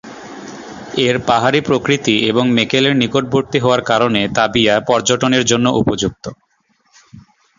এর পাহাড়ী প্রকৃতি এবং মেকেলের নিকটবর্তী হওয়ার কারণে "তাবিয়া" পর্যটনের জন্য উপযুক্ত।